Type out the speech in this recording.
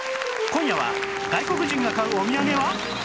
今夜は外国人が買うお土産は？